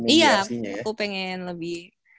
iya aku pengen lebih